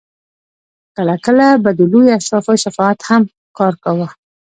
کله کله به د لویو اشرافو شفاعت هم کار کاوه.